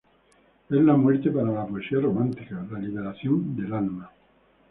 Es la muerte para la poesía romántica, la liberación del alma.